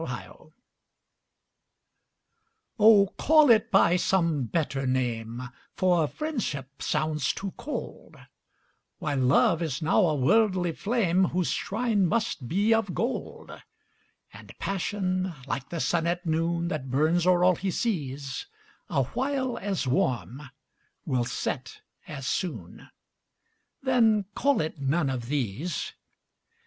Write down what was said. Oh, call it by some better name, For Friendship sounds too cold, While Love is now a worldly flame, Whose shrine must be of gold: And Passion, like the sun at noon, That burns o'er all he sees, Awhile as warm will set as soon Then call it none of these.